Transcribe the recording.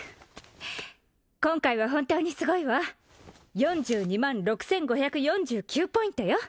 今回は本当にすごいわ４２万６５４９ポイントよ